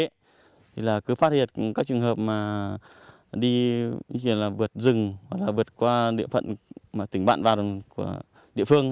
thì là cứ phát hiện các trường hợp mà đi là vượt rừng hoặc là vượt qua địa phận tỉnh bạn và của địa phương